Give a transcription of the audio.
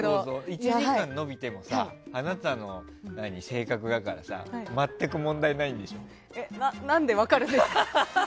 １時間延びてもあなたの性格だからさなんで分かるんですか？